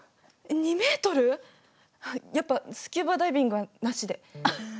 やっぱスキューバダイビングはなしで。